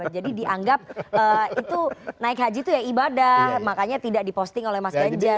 jadi dianggap itu naik haji itu ibadah makanya tidak diposting oleh mas genjar